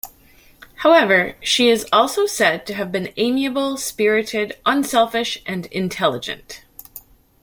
However, she is also said to have been amiable, spirited, unselfish and intelligent.